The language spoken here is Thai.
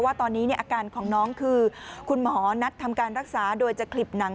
ว่าตอนนี้อาการของน้องคือคุณหมอนัดทำการรักษาโดยจะขลิบหนัง